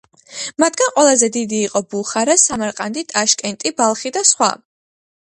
მათგან ყველაზე დიდი იყო ბუხარა, სამარყანდი, ტაშკენტი, ბალხი და სხვა.